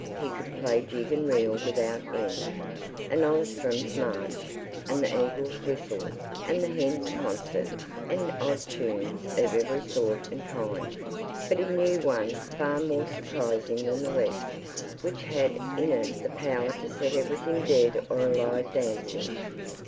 He could play jig and reel without end, and Ollistrum's March, and the Eagle's Whistle, and the Hen's Concert, and odd tunes of every sort and kind. But he knew one far more surprising than the rest, which had in it the power to set everything dead or alive dancing.